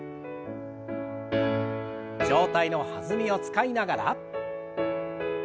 上体の弾みを使いながら。